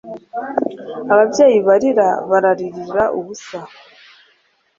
Ababyeyi barira bararira ubusa